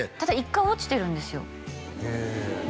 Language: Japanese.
１回落ちてるんですよ